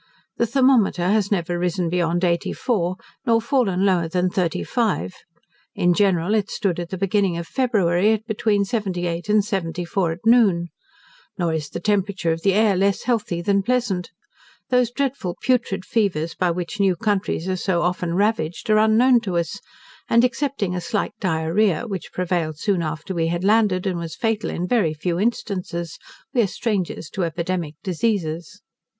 The thermometer has never risen beyond 84, nor fallen lower than 35, in general it stood in the beginning of February at between 78 and 74 at noon. Nor is the temperature of the air less healthy than pleasant. Those dreadful putrid fevers by which new countries are so often ravaged, are unknown to us: and excepting a slight diarrhoea, which prevailed soon after we had landed, and was fatal in very few instances, we are strangers to epidemic diseases.